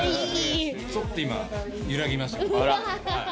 ちょっと今、揺らぎましたよ。